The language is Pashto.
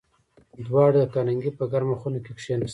دواړه د کارنګي په ګرمه خونه کې کېناستل